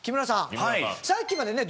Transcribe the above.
さっきまでね